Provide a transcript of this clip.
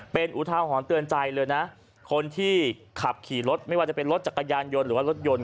เป็นอุทาหรณ์เตือนใจเลยนะคนที่ขับขี่รถไม่ว่าจะเป็นรถจักรยานยนต์หรือว่ารถยนต์